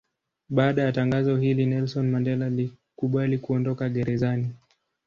Baada ya tangazo hili Nelson Mandela alikubali kuondoka gerezani.